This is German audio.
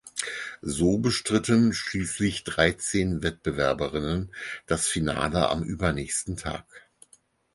So bestritten schließlich dreizehn Wettbewerberinnen das Finale am übernächsten Tag.